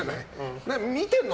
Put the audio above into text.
見てるの？